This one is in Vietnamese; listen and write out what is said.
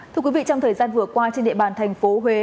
thưa quý vị trong thời gian vừa qua trên địa bàn thành phố huế